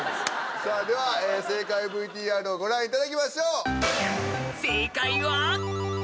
さあでは正解ＶＴＲをご覧いただきましょう。